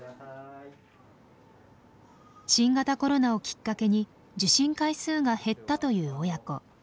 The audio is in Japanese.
新型コロナをきっかけに受診回数が減ったという親子。